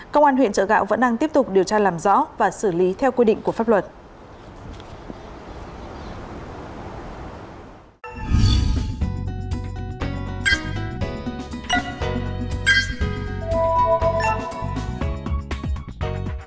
công an huyện chợ gạo vẫn đang tiếp tục điều tra làm rõ và xử lý theo quy định của pháp luật